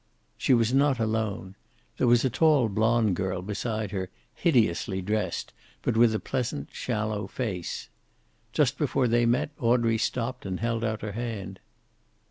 She was not alone. There was a tall blonde girl beside her, hideously dressed, but with a pleasant, shallow face. Just before they met Audrey stopped and held out her hand.